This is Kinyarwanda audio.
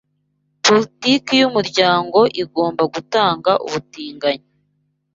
politiki yumuryango igomba gutanga ubutinganyi